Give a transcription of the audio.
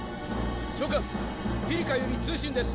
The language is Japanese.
長官ピリカより通信です。